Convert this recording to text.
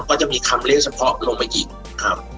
ก็จะมีคำเรียกเฉพาะลงไปอีกครับ